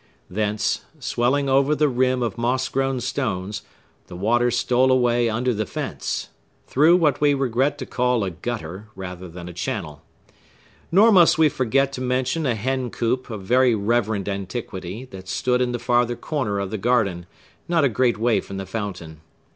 Thence, swelling over the rim of moss grown stones, the water stole away under the fence, through what we regret to call a gutter, rather than a channel. Nor must we forget to mention a hen coop of very reverend antiquity that stood in the farther corner of the garden, not a great way from the fountain.